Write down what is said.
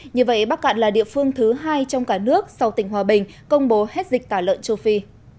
như vậy bắc cạn là địa phương thứ hai trong cả nước sau tỉnh hòa bình công bố hết dịch tả lợn châu phi